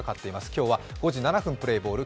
今日は５時７分プレーボール。